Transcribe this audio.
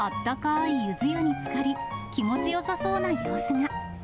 いゆず湯につかり、気持ちよさそうな様子が。